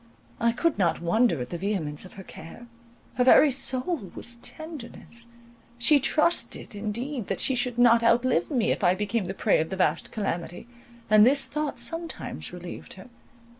I could not wonder at the vehemence of her care; her very soul was tenderness; she trusted indeed that she should not outlive me if I became the prey of the vast calamity, and this thought sometimes relieved her.